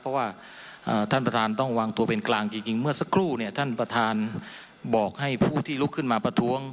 เพราะว่าท่านประธานต้องวางตัวเป็นกลางจริงเมื่อสักครู่เนี่ยท่านประธานบอกให้ผู้ที่ลุกขึ้นมาประท้วง